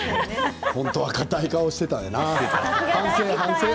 本当はかたいという顔していたんだな